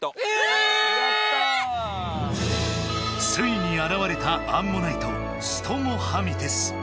ついにあらわれたアンモナイトストモハミテス。